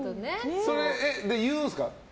で、言うんですか？